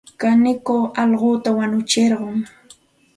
Kanikuq allquta wanutsirqan.